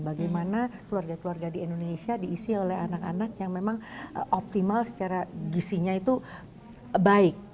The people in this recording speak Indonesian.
bagaimana keluarga keluarga di indonesia diisi oleh anak anak yang memang optimal secara gisinya itu baik